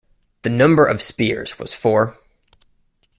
The number of spears was four.